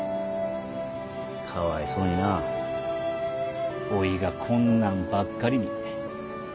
かわいそうになぁおぃがこんなんばっかりに。